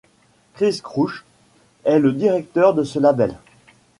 Chris Crouch est le directeur de ce label.